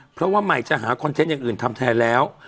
เพราะว่าใหม่จะหาคอนเทนต์อย่างอื่นทำแทนแล้ว